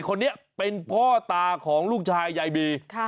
คนนี้เป็นพ่อตาของลูกชายยายบี